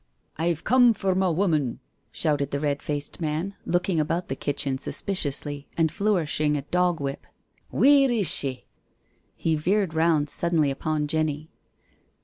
"I'm come for ma wummon," shouted the red faced man, looking about the kitchen suspiciously and flourishing a dog whip. " Wheer is she?" He veered round suddenly upon Jenny.